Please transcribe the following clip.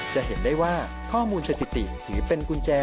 จะเห็นได้ว่าข้อมูลจากกุฏิถือเป็นกุญแจ